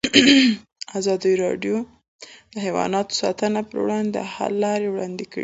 ازادي راډیو د حیوان ساتنه پر وړاندې د حل لارې وړاندې کړي.